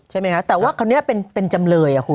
ใช่ไหมครับแต่ว่าคราวนี้เป็นจำเลย